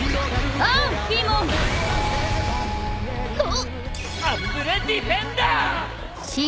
アンブレディフェンダー！